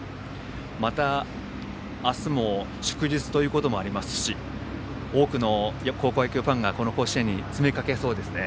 また、明日も祝日ということもありますし多くの高校野球ファンがこの甲子園に詰め掛けそうですね。